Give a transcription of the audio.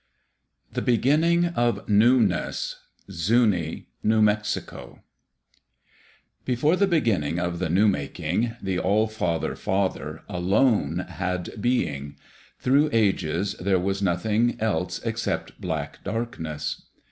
The Beginning of Newness Zuni (New Mexico) Before the beginning of the New making, the All father Father alone had being. Through ages there was nothing else except black darkness.